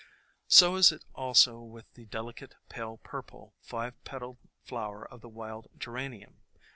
So is it also with the delicate, pale purple, five petaled flower of the Wild Geranium.